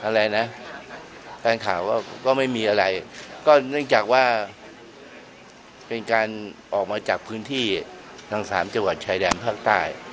อะไรนะการข่าวก็ไม่มีอะไรก็เนื่องจากว่าเป็นการออกมาจากพื้นที่ทางสามจังหวัดชายแดนภาคใต้